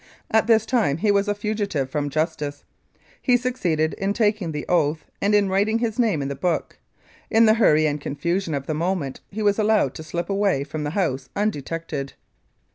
At this time he was a fugitive from justice. ... He succeeded in. taking the oath and in writing his name in the book. ... In the hurry and confusion of the moment he was allowed to slip away from the House undetected."